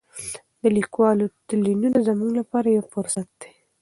د لیکوالو تلینونه زموږ لپاره یو فرصت دی.